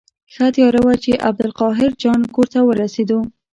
ښه تیاره وه چې عبدالقاهر جان کور ته ورسېدو.